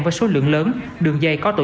với số lượng lớn